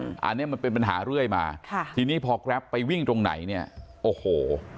อันนี้มันเป็นปัญหาเรื่อยมาค่ะทีนี้พอแกรปไปวิ่งตรงไหนเนี่ยโอ้โห